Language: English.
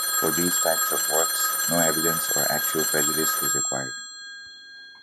For those types of works, no evidence of actual prejudice is required.